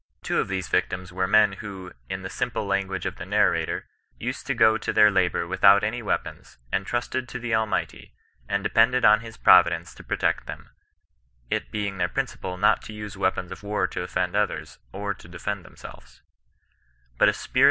Two of these victims were men who, in the simple language of the narrator, '* used to go to their labour without any weapons, and trusted to the Al mighiy> axid depended on his providence to protect them (it being their principle not to use weapons of war to offend others^ or to defend themselves); out a tpirit CHRISTIAN NON BE8ISTAN0E.